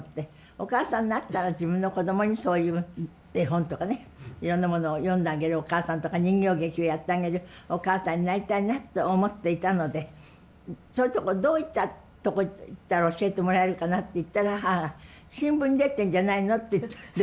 お母さんになったら自分のこどもにそういう絵本とかねいろんなものを読んであげるお母さんとか人形劇をやってあげるお母さんになりたいなと思っていたのでそういうとこどういったとこ行ったら教えてもらえるかなって言ったら母が新聞に出てんじゃないのって言って。